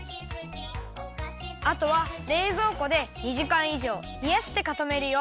あとはれいぞうこで２じかんいじょうひやしてかためるよ。